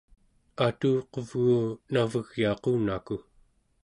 atuquvgu navegyaqunaku